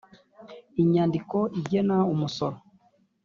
inyandiko igena umusoro .